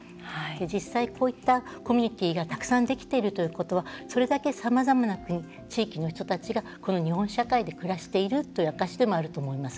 実際こういったコミュニティーがたくさんできているということはそれだけ、さまざまな国地域の人たちが、この日本社会で暮らしているという証しでもあると思います。